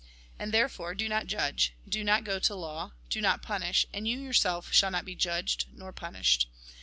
And therefore : Do not judge, do not go to law, do not punish, and you yourself shall not be judged, nor punished.